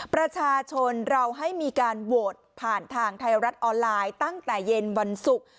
ประชาชนเราให้มีการโหวตผ่านทางไทยรัฐออนไลน์ตั้งแต่เย็นวันศุกร์